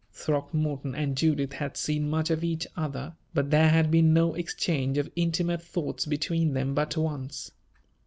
Throckmorton and Judith had seen much of each other, but there had been no exchange of intimate thoughts between them but once.